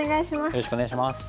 よろしくお願いします。